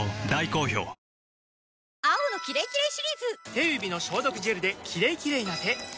手指の消毒ジェルで「キレイキレイ」な手